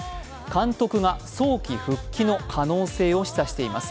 監督が早期復帰の可能性を示唆しています。